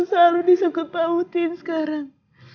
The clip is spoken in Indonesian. selalu disangkut pahutin sekarang